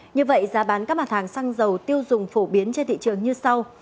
như vậy giá bán các mặt hàng xăng dầu tiêu dùng phổ biến trên thị trường như sau